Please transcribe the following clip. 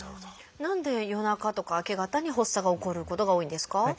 何で夜中とか明け方に発作が起こることが多いんですか？